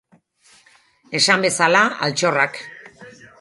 Esan bezala, altxorrak.